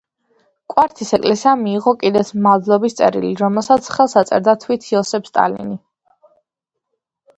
კვართის ეკლესიამ მიიღო კიდეც მადლობის წერილი, რომელსაც ხელს აწერდა თვით იოსებ სტალინი.